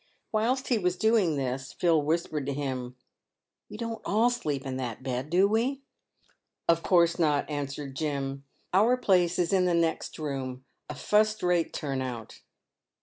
"Whilst he was doing this, Phil whispered to him, " "We don't all sleep in that bed, do we ?"" Of course not," answered Jim, " our place is in the next room, a fust rate turn out